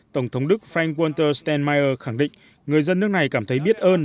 tổng thống đức frank walter steinmeer khẳng định người dân nước này cảm thấy biết ơn